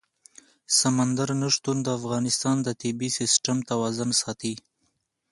سمندر نه شتون د افغانستان د طبعي سیسټم توازن ساتي.